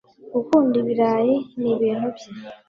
gukunda ibirayi nibintu bye